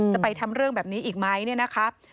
จะไปทำเรื่องแบบนี้อีกไหมเนี่ยนะคะ